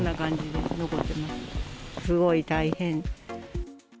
すごい大変。